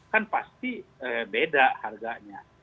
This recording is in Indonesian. kan pasti beda harganya